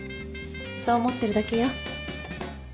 そう思ってるだけよ。